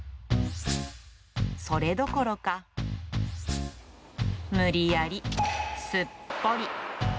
それどころか、無理やり、すっぽり。